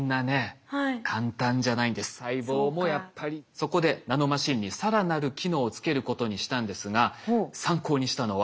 そこでナノマシンに更なる機能をつけることにしたんですが参考にしたのは意外なものでした。